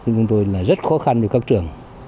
trong tôi là rất khó khăn với các trường